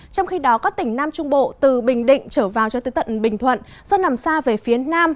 trong khi đó các tỉnh nam trung bộ từ bình định trở vào cho tới tận bình thuận do nằm xa về phía nam